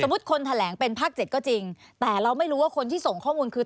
คนแถลงเป็นภาค๗ก็จริงแต่เราไม่รู้ว่าคนที่ส่งข้อมูลคือ